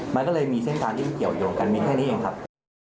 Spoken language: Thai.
มันก็เลยมีเส้นทางที่เกี่ยวยงกันมีแค่นี้เองครับ